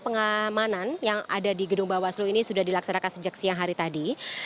pengamanan yang ada di gedung bawaslu ini sudah dilaksanakan sejak siang hari tadi